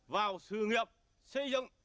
vào sự nghiệp xây dựng